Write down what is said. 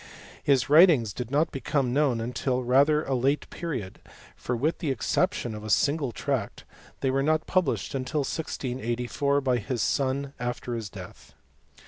His writings did not become known till rather (late period; for, with the exception of a single tract, they were not published till 1648, by his son, after his death.